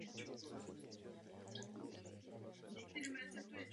Konec života prožil opět v rodné Třeboni.